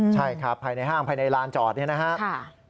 ใช่ครับภายในห้างภายในลานจอดนี่นะครับ